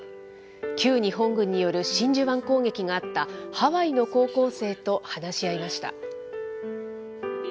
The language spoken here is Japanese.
旧日本軍による真珠湾攻撃があったハワイの高校生と話し合いました。